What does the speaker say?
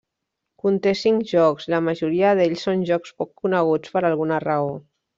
Conté cinc jocs, i la majoria d’ells són jocs poc coneguts per alguna raó.